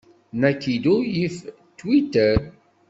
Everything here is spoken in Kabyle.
Nakido yif Twitter.